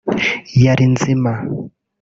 yari nzima